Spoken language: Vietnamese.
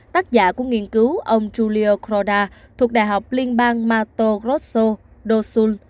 tác giả của nghiên cứu ông giulio croda thuộc đại học liên bang mato grosso dosul